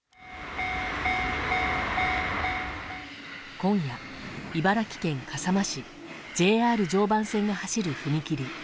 今夜、茨城県笠間市ＪＲ常磐線が走る踏切。